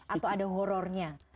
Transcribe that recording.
atau ada horornya